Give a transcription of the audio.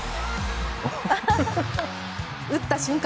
打った瞬間